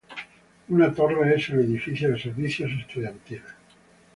Una torre es el edificio de servicios estudiantiles.